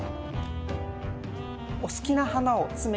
お好きな花を詰めていきます。